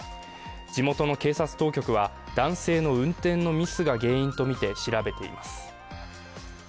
地元の警察当局は、男性の運転のミスが原因とみて調べています。